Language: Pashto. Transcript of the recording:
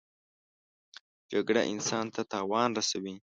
جګړه انسان ته تاوان رسوي